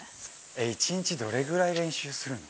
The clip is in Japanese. １日どれぐらい練習するの？